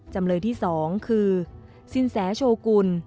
จำเลยที่๒คือสินแสโชกุล